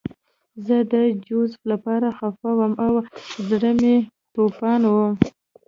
زه د جوزف لپاره خپه وم او زړه کې مې توپان و